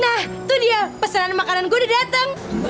nah tuh dia pesenan makanan gua udah dateng